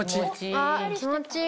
あっ気持ちいい。